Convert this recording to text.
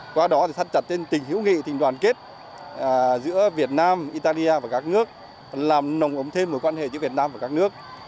qua đó thì thắt chặt trên tình hữu nghị tình đoàn kết giữa việt nam italia và các nước làm nồng ấm thêm mối quan hệ giữa việt nam và các nước